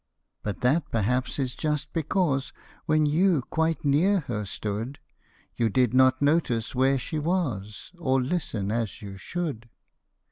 But that perhaps is just because when you quite near her stood, You did not notice where she was, or listen as you should.